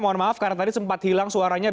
mohon maaf karena tadi sempat hilang suaranya